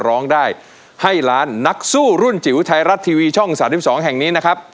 ร้องได้ให้ล้านนักสู้รุ่นจิ๋วไทยรัฐทีวีช่อง๓๒แห่งนี้นะครับ